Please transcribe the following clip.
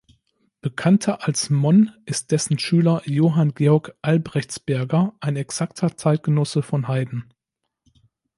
Bekannter als Monn ist dessen Schüler Johann Georg Albrechtsberger, ein exakter Zeitgenosse von Haydn.